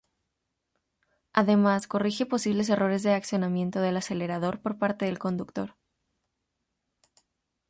Además, corrige posibles errores de accionamiento del acelerador por parte del conductor.